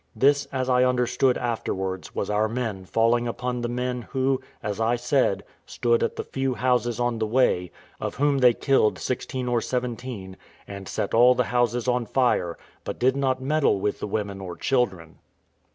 This, as I understood afterwards, was our men falling upon the men, who, as I said, stood at the few houses on the way, of whom they killed sixteen or seventeen, and set all the houses on fire, but did not meddle with the women or children.